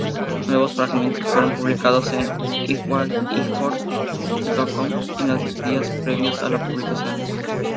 Nuevos fragmentos fueron publicados en "imwaitingforit.com" en los días previos a la publicación.